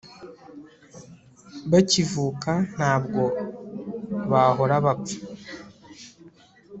Bakivuka ntabwo bahora bapfa